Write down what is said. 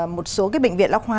một số cái bệnh viện lão khoa